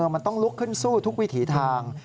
มันต้องลุกขึ้นสู้ทุกวิถีทาง